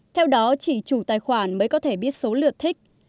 theo đó chỉ chủ tài khoản mới có thể biết số lượt thích